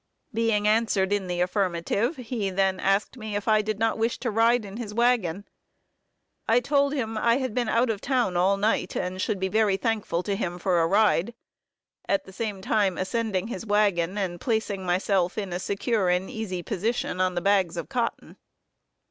Being answered in the affirmative, he then asked me if I did not wish to ride in his wagon. I told him I had been out of town all night, and should be very thankful to him for a ride; at the same time ascending his wagon and placing myself in a secure and easy position on the bags of cotton.